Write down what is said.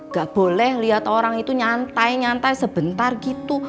gak boleh lihat orang itu nyantai nyantai sebentar gitu